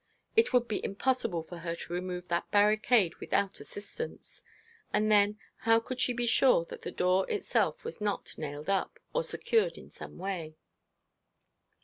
It would be impossible for her to remove that barricade without assistance; and then, how could she be sure that the door itself was not nailed up, or secured in some way?